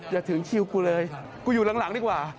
อย่าถึงคิวกูเลยกูอยู่หลังดีกว่า